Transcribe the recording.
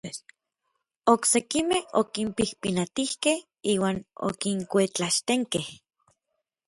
Oksekimej okinpijpinatijkej iuan okinkuetlaxtenkej.